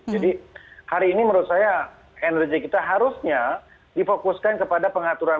jadi hari ini menurut saya energi kita harusnya difokuskan kepada pengaturan